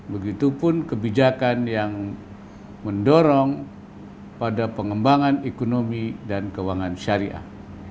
begitupun kebijakan yang mendorong pada pengembangan ekonomi dan keuangan syariah